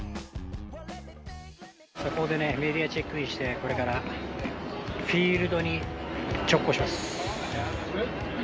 ここでね、メディアチェックインして、これからフィールドに直行します。